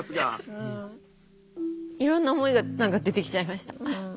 いろんな思いが何か出てきちゃいました。